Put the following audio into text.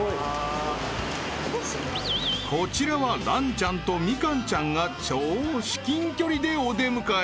［こちらはランちゃんとミカンちゃんが超至近距離でお出迎え］